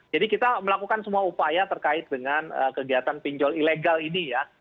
jadi kita melakukan semua upaya terkait dengan kegiatan pinjol ilegal ini